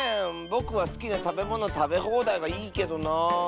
ぼくはすきなたべものたべほうだいがいいけどなあ。